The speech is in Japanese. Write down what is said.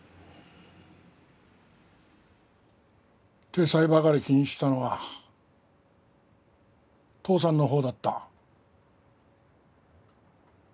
体裁ばかり気にしてたのは父さんのほうだった。